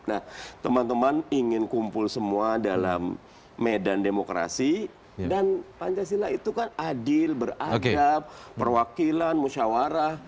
nah teman teman ingin kumpul semua dalam medan demokrasi dan pancasila itu kan adil beragam perwakilan musyawarah